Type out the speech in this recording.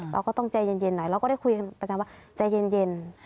เราก็ต้องเจ๋ยเย็นหน่อยเราก็ได้คุยกันเหมือนคำว่าเจ๋ยเย็น